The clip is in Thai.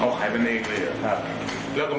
เอาขายมันเองเลยหรือครับ